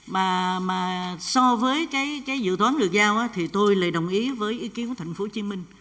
mà so với cái dự toán được giao thì tôi lại đồng ý với ý kiến của thành phố hồ chí minh